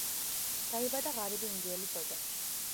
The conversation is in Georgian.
დაიბადა ღარიბი ინდიელის ოჯახში.